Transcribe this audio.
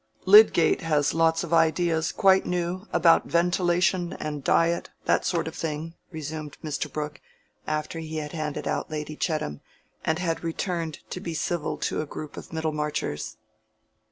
"Lydgate has lots of ideas, quite new, about ventilation and diet, that sort of thing," resumed Mr. Brooke, after he had handed out Lady Chettam, and had returned to be civil to a group of Middlemarchers.